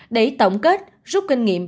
để tổng kết rút kinh nghiệm